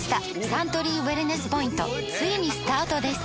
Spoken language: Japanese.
サントリーウエルネスポイントついにスタートです！